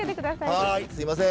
はいすいません。